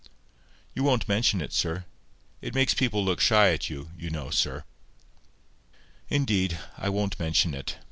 You won't mention it, sir. It makes people look shy at you, you know, sir." "Indeed, I won't mention it.